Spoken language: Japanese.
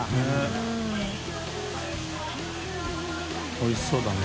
おいしそうだね。